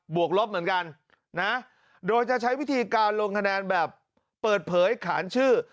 วกลบเหมือนกันนะโดยจะใช้วิธีการลงคะแนนแบบเปิดเผยขานชื่อ